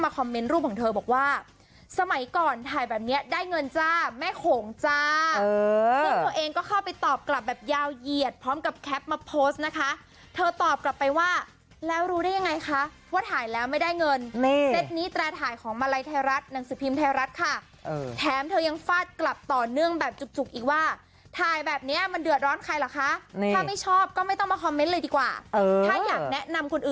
คุณครูจ๊ะแม่โขงจ๊ะซึ่งตัวเองก็เข้าไปตอบกลับแบบยาเยียดพร้อมกับแคปมาโพสต์นะคะเธอตอบกลับไปว่าแล้วรู้ได้ยังไงคะว่าถ่ายแล้วไม่ได้เงินเซ็ตนี้แตรทายของมาลัยเทราทนางศิพธิ์ปีนเทราทค่ะแถมเธอยังฟาดกลับต่อเนื่องแบบจุกอีกว่าถ่ายแบบเนี้ยมันเดือดร้อนใครหรอคะถ้า